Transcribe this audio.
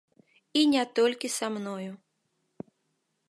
І не толькі са мною.